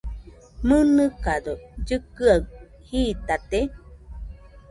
¿Mɨnɨkado llɨkɨaɨ jitate?